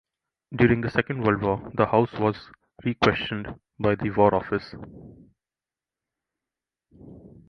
During the Second World War the house was requisitioned by the War Office.